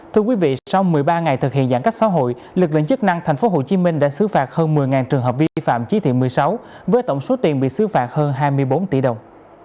thưa quý vị sau một mươi ba ngày thực hiện giãn cách xã hội lực lượng chức năng tp hcm đã xứ phạt hơn một mươi trường hợp vi phạm chỉ thị một mươi sáu với tổng số tiền bị xứ phạt hơn hai mươi bốn tỷ đồng